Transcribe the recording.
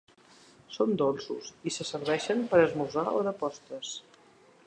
Són dolços i se serveixen per esmorzar o de postres.